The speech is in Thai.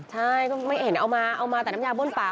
ใช่ก็ไม่เห็นเอามาเอามาแต่น้ำยาบ้นปาก